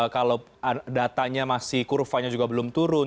kalau datanya masih kurvanya juga belum turun